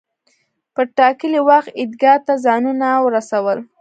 پر ټاکلي وخت عیدګاه ته ځانونه ورسول.